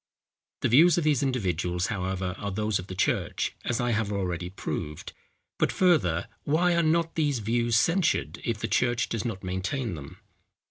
The views of these individuals, however, are those of the church, as I have already proved. But further, why are not these views censured if the church does not maintain them?